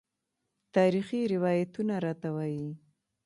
تاریخي روایتونه راته وايي.